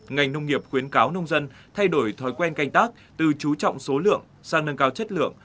ngành nông nghiệp khuyến cáo nông dân thay đổi thói quen canh tác từ chú trọng số lượng sang nâng cao chất lượng